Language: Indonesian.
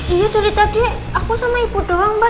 iya dari tadi aku sama ibu doang mbak